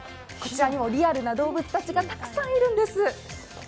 こちらにもリアルな動物たちがたくさんいるんです。